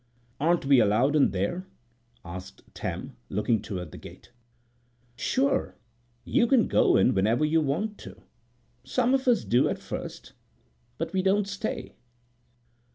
"Aren't we allowed in there?" asked Tam, looking toward the gate. "Sure. You can go in whenever you want to. Some of us do at first, but we don't stay."